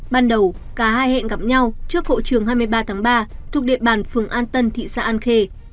ban đầu cả hai hẹn gặp nhau trước hộ trường hai mươi ba tháng ba thuộc địa bàn phường an tân thị xã an khê